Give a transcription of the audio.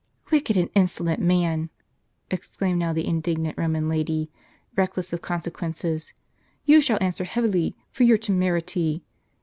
" Wicked and insolent man !" exclaimed now the indig nant Roman lady, reckless of consequences, "you shall answer heavily for your temerity.